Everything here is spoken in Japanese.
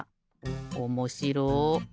おもしろ。